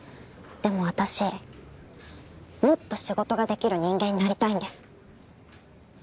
でも私もっと仕事ができる人間になりたいんです。